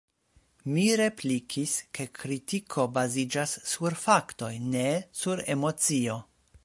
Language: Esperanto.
Mi replikis, ke kritiko baziĝas sur faktoj, ne sur emocio.